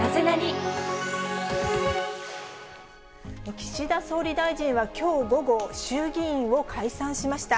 岸田総理大臣はきょう午後、衆議院を解散しました。